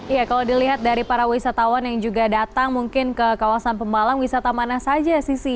iya kalau dilihat dari para wisatawan yang juga datang mungkin ke kawasan pembalang wisatamannya saja sih sih